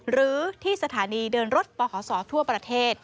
หรือที่สถานีเดินรถปขศทั่วประเทศ